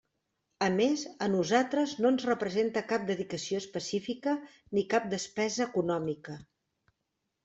A més, a nosaltres no ens representa cap dedicació específica ni cap despesa econòmica.